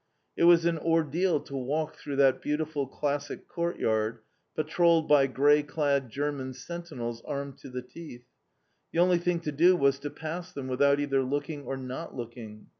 It was an ordeal to walk through that beautiful classic courtyard, patrolled by grey clad German sentinels armed to the teeth. The only thing to do was to pass them without either looking or not looking.